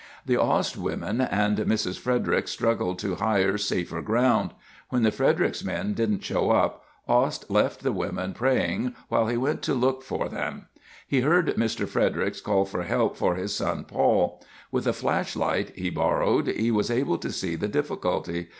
The Ost women and Mrs. Fredericks struggled to higher, safer ground. When the Fredericks men didn't show up, Ost left the women praying while he went to look for them. He heard Mr. Fredericks call for help for his son, Paul. With a flashlight he borrowed, he was able to see the difficulty.